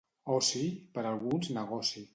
Oci, per alguns, negoci.